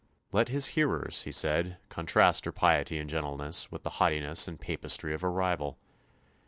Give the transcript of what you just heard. Let his hearers, he said, contrast her piety and gentleness with the haughtiness and papistry of her rival.